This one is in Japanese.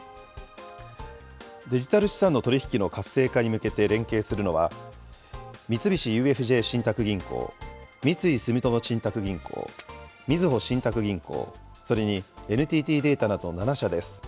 デジタル資産の取り引きの活性化に向けて連携するのは、三菱ＵＦＪ信託銀行、三井住友信託銀行、みずほ信託銀行、それにＮＴＴデータなど７社です。